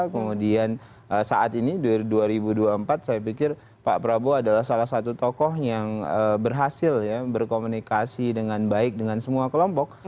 kemudian saat ini dua ribu dua puluh empat saya pikir pak prabowo adalah salah satu tokoh yang berhasil ya berkomunikasi dengan baik dengan semua kelompok